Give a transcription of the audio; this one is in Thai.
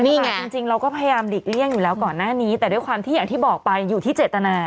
นี่ไงจริงเราก็พยายามหลีกเลี่ยงอยู่แล้วก่อนหน้านี้แต่ด้วยความที่อย่างที่บอกไปอยู่ที่เจตนา